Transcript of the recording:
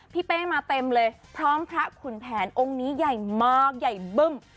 เป้มาเต็มเลยพร้อมพระขุนแผนองค์นี้ใหญ่มากใหญ่บึ้ม